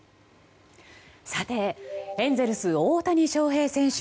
エンゼルス、大谷翔平選手